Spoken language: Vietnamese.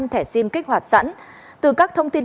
thẻ sim kích hoạt sẵn từ các thông tin